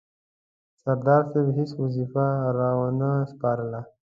سردار صاحب هیڅ وظیفه را ونه سپارله.